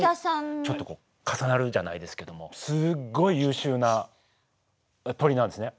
ちょっとこう重なるじゃないですけどもすごい優秀な鳥なんですね。